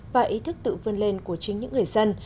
và ý thức tự vươn lên của chính những người dân